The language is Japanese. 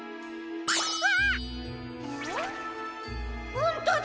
ほんとだ！